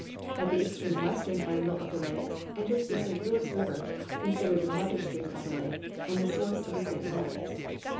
At the extreme western angle of the lake enters the St Louis river, considered the mother stream of the lake and the source of the St Lawrence.